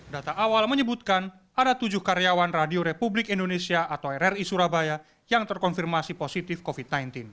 data awal menyebutkan ada tujuh karyawan radio republik indonesia atau rri surabaya yang terkonfirmasi positif covid sembilan belas